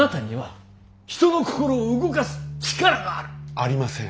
ありません。